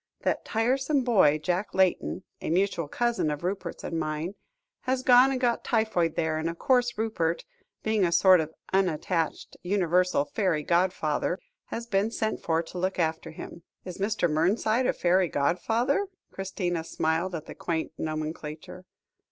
That tiresome boy, Jack Layton, a mutual cousin of Rupert's and mine, has gone and got typhoid there, and of course Rupert, being a sort of unattached, universal fairy godfather, has been sent for to look after him." "Is Mr. Mernside a fairy godfather?" Christina smiled at the quaint nomenclature.